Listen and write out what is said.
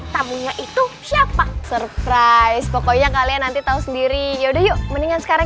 tamunya itu siapa surprise pokoknya kalian nanti tahu sendiri yaudah yuk mendingan sekarang